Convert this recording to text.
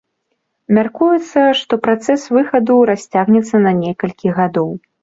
Мяркуецца, што працэс выхаду расцягнецца на некалькі гадоў.